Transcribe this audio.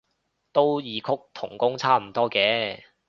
都異曲同工差唔多嘅